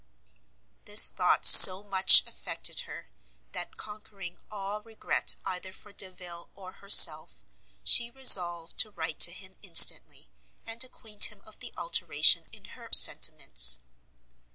This thought so much affected her, that, conquering all regret either for Delvile or herself, she resolved to write to him instantly, and acquaint him of the alteration in her sentiments.